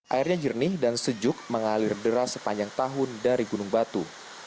airnya jernih dan sejuk mengalir deras sepanjang tahun dari gunung batu